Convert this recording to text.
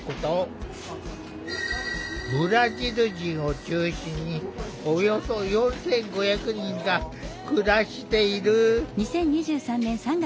ブラジル人を中心におよそ４，５００人が暮らしている。